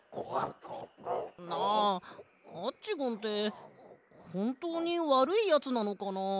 なあアッチゴンってほんとうにわるいやつなのかな？